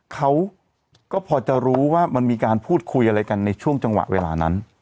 เขาก็พอจะรู้ว่ามันมีการพูดคุยอะไรกันในช่วงจังหวะเวลานั้น